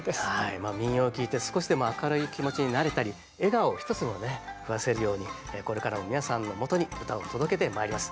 まあ民謡を聴いて少しでも明るい気持ちになれたり笑顔を一つでもね増やせるようにこれからも皆さんのもとに唄を届けてまいります。